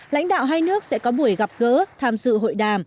lãnh đạo hai nước sẽ có buổi gặp gỡ tham dự hội đàm